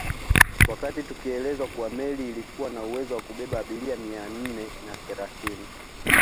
Wakati tukielezwa kuwa meli ilikuwa na uwezo wa kubeba abiria mia nne na thelathini